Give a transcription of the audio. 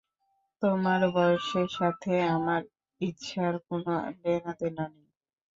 তোমার বয়সের সাথে আমার ইচ্ছার কোনো লেনাদেনা নেই।